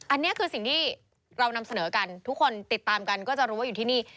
อันนี้คือสิ่งที่เรานำเสนอกันทุกคนติดตามกันก็จะรู้ว่าอยู่ที่นี่